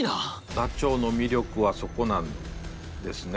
ダチョウの魅力はそこなんですね。